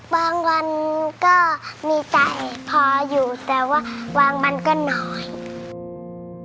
วันก็มีใจพออยู่แต่ว่าบางวันก็น้อย